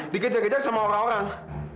dikejak kejak sama orang orang